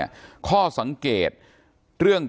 การแก้เคล็ดบางอย่างแค่นั้นเอง